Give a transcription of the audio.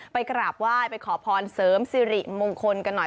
กราบไหว้ไปขอพรเสริมสิริมงคลกันหน่อย